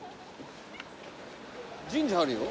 神社あるよ。